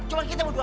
cuma kita berdua